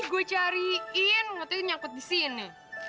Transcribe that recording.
gue cariin waktu itu nyangkut di sini